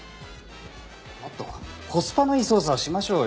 もっとコスパのいい捜査をしましょうよ。